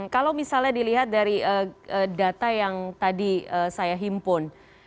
kalau misalnya dilihat dari data yang tadi saya himpun